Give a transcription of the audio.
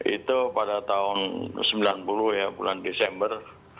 itu pada tahun sembilan puluh ya bulan desember